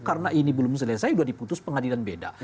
karena ini belum selesai udah diputus pengadilan beda